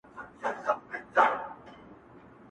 د حج پچه کي هم نوم د خان را ووت